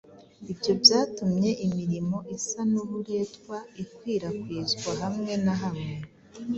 Ibyo byatumye imirimo isa n'uburetwa ikwirakwizwa hamwe na hamwe